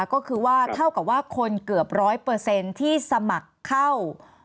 ก็คือว่าเท่ากับว่าคนเกือบ๑๐๐ที่สมัครเข้า